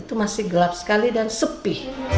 dan itu masih gelap sekali dan sepi